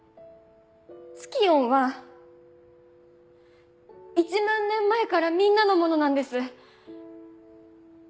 ツキヨンは１万年前からみんなのものなんです。